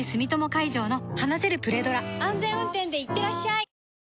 安全運転でいってらっしゃい